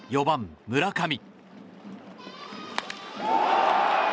４番、村上。